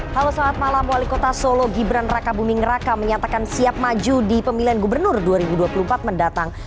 halo selamat malam wali kota solo gibran raka buming raka menyatakan siap maju di pemilihan gubernur dua ribu dua puluh empat mendatang